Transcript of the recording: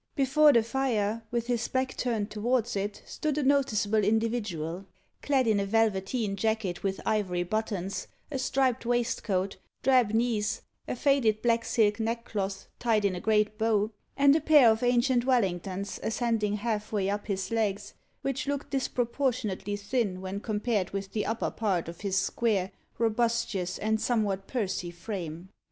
Before the fire, with his back turned towards it, stood a noticeable individual, clad in a velveteen jacket with ivory buttons, a striped waistcoat, drab knees, a faded black silk neckcloth tied in a great bow, and a pair of ancient Wellingtons ascending half way up his legs, which looked disproportionately thin when compared with the upper part of his square, robustious, and somewhat pursy frame.